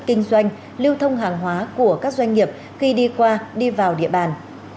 kinh doanh lưu thông hàng hóa của các doanh nghiệp khi đi qua đi vào địa bàn